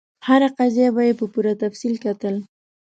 هره قضیه به یې په پوره تفصیل کتل.